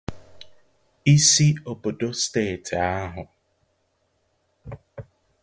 isi obodo steeti ahụ.